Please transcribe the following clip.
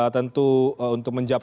tentu untuk menjawab